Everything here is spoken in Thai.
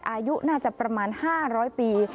อายุน่าจะประมาณ๕๐๐ปี